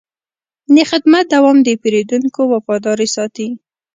د خدمت دوام د پیرودونکو وفاداري ساتي.